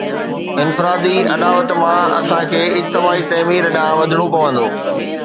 انفرادي اڏاوت مان اسان کي اجتماعي تعمير ڏانهن وڌڻو پوندو.